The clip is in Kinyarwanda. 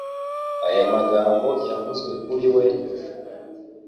Aya magambo yavuzwe kuri we,